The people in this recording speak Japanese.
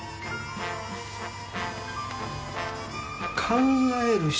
「考える人」